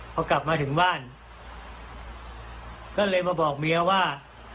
พอกลับมาถึงบ้านก็เลยมาบอกเมียว่า